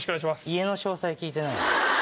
家の詳細聞いてないの。